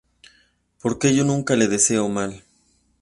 Porque yo nunca le deseo mal..